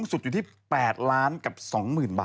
ก็ดีนะจำได้นะ